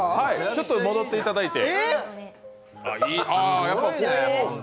ちょっと戻っていただいて。